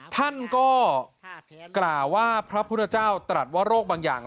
ท่านก็กล่าวว่าพระพุทธเจ้าตรัสว่าโรคบางอย่าง